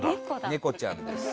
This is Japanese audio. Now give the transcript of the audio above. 猫ちゃんです。